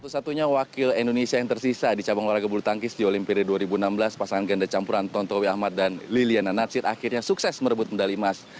satu satunya wakil indonesia yang tersisa di cabang olahraga bulu tangkis di olimpiade dua ribu enam belas pasangan ganda campuran tontowi ahmad dan liliana natsir akhirnya sukses merebut medali emas